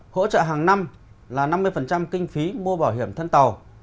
hỗ trợ hàng năm là năm mươi kinh phí mua bảo hiểm thân tàu